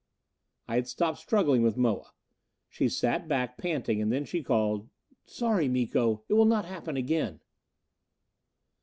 I had stopped struggling with Moa. She sat back, panting; and then she called: "Sorry, Miko. It will not happen again."